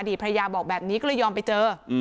ภรรยาบอกแบบนี้ก็เลยยอมไปเจอ